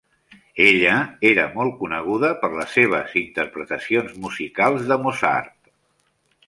Ella era molt coneguda per les seves interpretacions musicals de Mozart.